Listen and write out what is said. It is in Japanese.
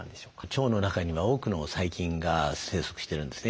腸の中には多くの細菌が生息してるんですね。